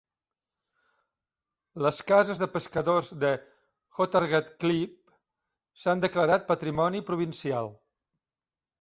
Les cases de pescadors de Hotagterklip s'han declarat patrimoni provincial.